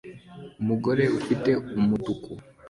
Umugore ufite umutuku